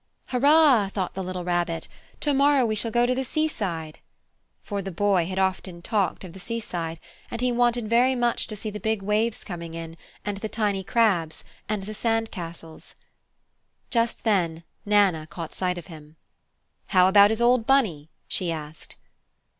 "Hurrah!" thought the little Rabbit. "To morrow we shall go to the seaside!" For the boy had often talked of the seaside, and he wanted very much to see the big waves coming in, and the tiny crabs, and the sand castles. Just then Nana caught sight of him. "How about his old Bunny?" she asked.